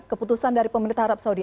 keputusan dari pemerintah arab saudi